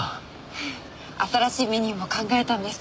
新しいメニューも考えたんです。